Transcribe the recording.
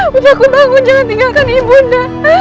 puter aku bangunda jangan tinggalkan ibu undang